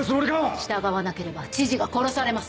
従わなければ知事が殺されます。